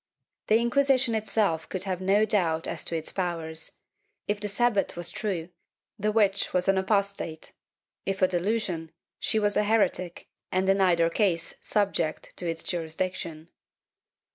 ^ The Inquisi tion itself could have no doubt as to its powers; if the Sabbat was true, the witch was an apostate; if a delusion, she was a heretic and in either case subject to its jurisdiction.